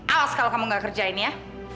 awas kalau kamu gak kerja ini ya